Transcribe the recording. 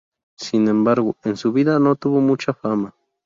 Sin embargo, en su vida no tuvo mucha fama.